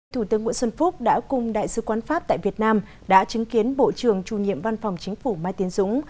thủ tướng nguyễn xuân phúc đã cùng đại sứ quán pháp tại việt nam đã chứng kiến bộ trưởng chủ nhiệm văn phòng chính phủ mai tiến dũng